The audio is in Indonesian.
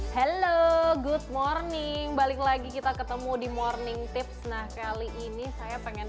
halo good morning balik lagi kita ketemu di morning tips nah kali ini saya pengen